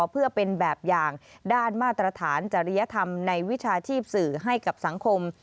เพื่อเป็นแบบอย่างด้านมาตรฐานจริยธรรมในวิชาชีพสื่อให้กับสังคม